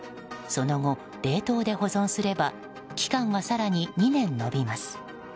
その後、冷凍で保存すれば期間は更に２年延びます。